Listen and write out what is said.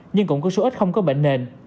nhưng cũng có số ít không có bệnh nền